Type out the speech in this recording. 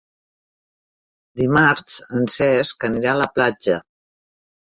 Dimarts en Cesc anirà a la platja.